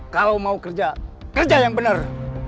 kalau mau kerja kerja yang benar